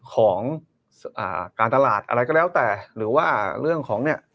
ของอ่าการตลาดอะไรก็แล้วแต่หรือว่าเรื่องของเนี่ย